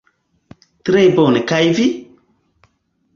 Tre bone kaj vi?